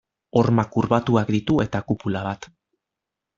Horma kurbatuak ditu eta kupula bat.